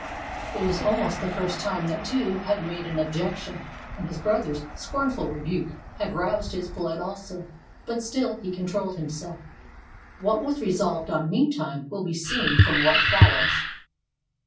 It was almost the first time that Tuve had made an objection, and his brother's scornful rebuke had roused his blood also; but still he controlled himself. What was resolved on meantime will be seen from what follows.